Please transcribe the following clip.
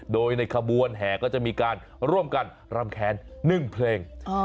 โดยในขบวนแห่ก็จะมีการร่วมกันรำแคน๑เพลง